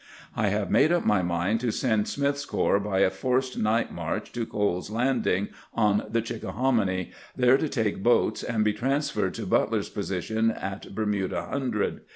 I have made up my mind to send Smith's corps by a forced night march to Cole's Land ing on the Chickahominy, there to take boats and be transferred to Butler's position at Bermuda Hundred.